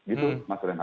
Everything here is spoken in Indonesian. itu mas renata